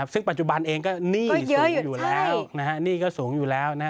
ซึ่งปัจจุบันเองก็หนี้สูงอยู่แล้วหนี้ก็สูงอยู่แล้ว